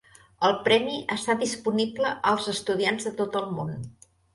El premi està disponible als estudiants de tot el món.